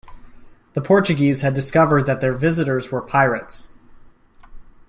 The Portuguese had discovered that their visitors were pirates.